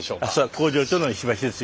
工場長の石橋です。